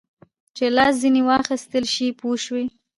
چې لاس ځینې واخیستل شي پوه شوې!.